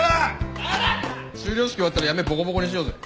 修了式終わったら八女ボコボコにしようぜ。